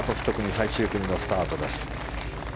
最終組のスタートです。